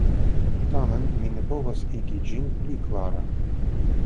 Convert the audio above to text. Tamen mi ne povas igi ĝin pli klara.